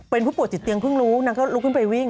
เป็นผู้ป่วยติดเตียงเพิ่งรู้นางก็ลุกขึ้นไปวิ่ง